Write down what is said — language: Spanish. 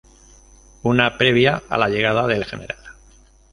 Una previa a la llegada del Gral.